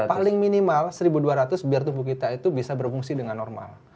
paling minimal satu dua ratus biar tubuh kita itu bisa berfungsi dengan normal